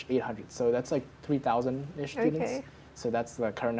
jadi itu jumlah kita yang sedang menggunakan